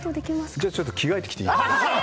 じゃあちょっと着替えてきていい？